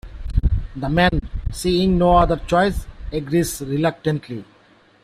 The man, seeing no other choice, agrees reluctantly.